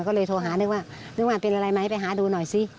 ก็เลยโทรหานึกว่านึกว่าเป็นอะไรไหมไปหาดูหน่อยสิ